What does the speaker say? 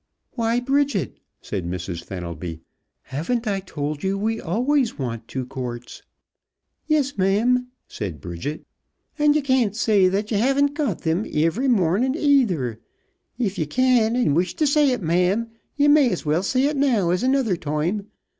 "Why, Bridget," said Mrs. Fenelby, "haven't I told you we always want two quarts?" "Yis, ma'am," said Bridget. "An' ye can't say that ye haven't got thim iv'ry mornin', either. If ye can, an' wish t' say it, ma'am, ye may as well say it now as another toime.